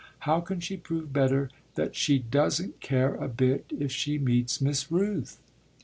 how can she prove better that she doesn't care a bit if she meets Miss Rooth?"